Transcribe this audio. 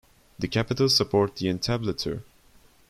The capitals support the entablature.